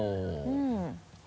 うん。